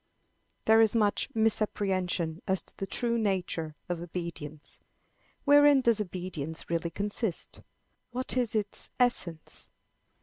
There is much misapprehension as to the true nature of obedience. Wherein does obedience really consist? What is its essence?